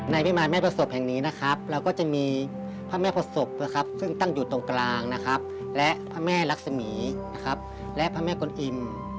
พิมารแม่ประสบแห่งนี้นะครับเราก็จะมีพระแม่ประสบนะครับซึ่งตั้งอยู่ตรงกลางนะครับและพระแม่รักษมีนะครับและพระแม่กลอิ่ม